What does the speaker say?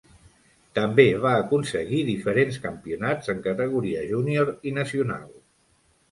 També va aconseguir diferents campionats en categoria júnior i nacional.